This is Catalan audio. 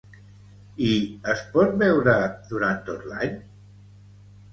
I es pot veure durant tot l'any?